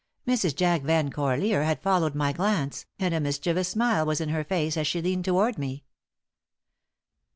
Mrs. Jack Van Corlear had followed my glance, and a mischievous smile was in her face as she leaned toward me.